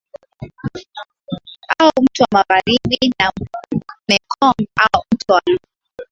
Au mto wa Magharibi na Mekong au mto wa Lulu